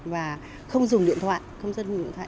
và không dùng điện thoại công dân dùng điện thoại